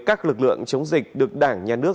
các lực lượng chống dịch được đảng nhà nước